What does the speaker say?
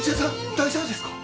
大丈夫ですか！？